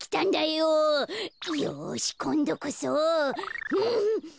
よしこんどこそ。